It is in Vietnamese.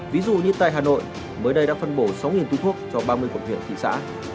ví dụ như tại hà nội mới đây đã phân bổ sáu túi thuốc cho ba mươi quận huyện thị xã